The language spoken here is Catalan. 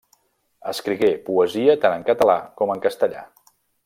Escrigué poesia tant en català com en castellà.